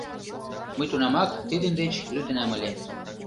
Мый тунамак тидын деч лӱдынам ыле.